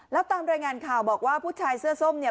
แล้วตามรายงานข่าวบอกว่าผู้ชายเสื้อส้มเนี่ย